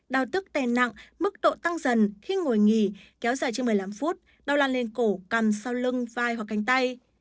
đau tức tèn nặng mức độ tăng dần khi ngồi nghỉ kéo dài trên một mươi năm phút đau lan lên cổ cằm sau lưng vai hoặc cánh tay